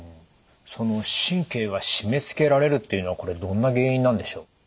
その神経が締めつけられるっていうのはこれどんな原因なんでしょう？